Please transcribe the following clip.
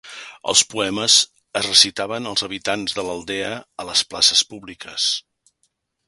Els poemes es recitaven als habitants de l'aldea a les places públiques.